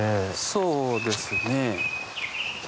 そうですね。